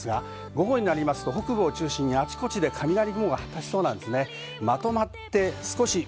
午後になると北部を中心に、あちこちで雷雲が発達しそうです。